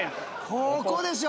ここでしょ。